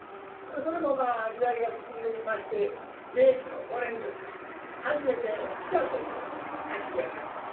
それも時代が進んできまして明治の５年ですか初めて汽車というのが走るようになった。